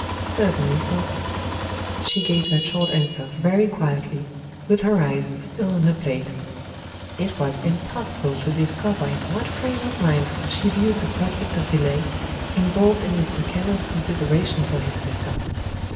"Certainly, sir." She gave that short answer very quietly, with her eyes still on her plate. It was impossible to discover in what frame of mind she viewed the prospect of delay, involved in Mr. Keller's consideration for his sister.